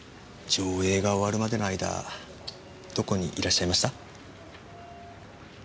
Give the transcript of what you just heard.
上映が終わるまでの間どこにいらっしゃいました？